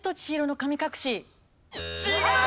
違う！